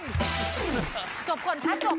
จบก่อนตั้งหมด